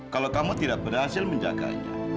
kalau kamu tidak berhasil menjaganya